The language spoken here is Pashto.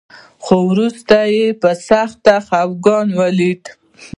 خو وروسته يې په سخت خپګان وليدل.